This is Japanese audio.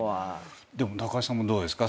でも中居さんもどうですか？